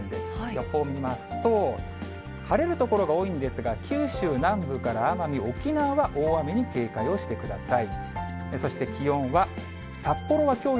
予報見ますと、晴れる所が多いんですが、九州南部から奄美・沖縄は大雨に警戒をしてください。